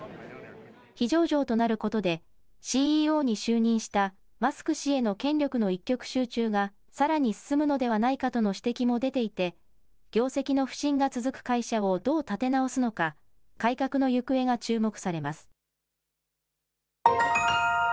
非上場となることで、ＣＥＯに就任したマスク氏への権力の一極集中が、さらに進むのではないかとの指摘も出ていて、業績の不振が続く会社をどう立て直すのか、改革の行方が注目されます。